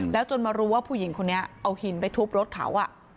แล้วจนมารู้ว่าผู้หญิงคนนี้เอาหินไปทุบรถเขา